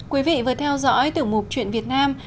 quý vị vừa theo dõi tiểu mục chuyện việt nam